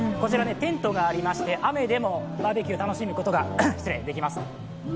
テントがありまして、雨でもバーベキューを楽しむことができます。